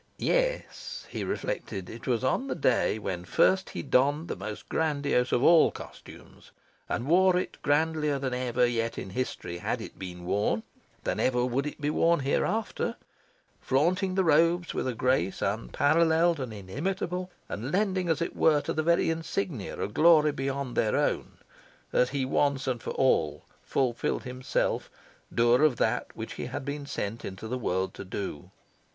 Yes, he reflected, it was on the day when first he donned the most grandiose of all costumes, and wore it grandlier than ever yet in history had it been worn, than ever would it be worn hereafter, flaunting the robes with a grace unparalleled and inimitable, and lending, as it were, to the very insignia a glory beyond their own, that he once and for all fulfilled himself, doer of that which he had been sent into the world to do.